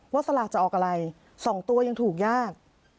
สลากจะออกอะไร๒ตัวยังถูกยาก